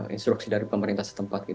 instruksi dari pemerintah setempat